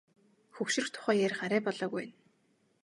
Хөгшрөх тухай ярих арай болоогүй байна.